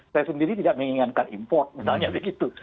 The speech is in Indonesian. saya sendiri tidak menginginkan import misalnya begitu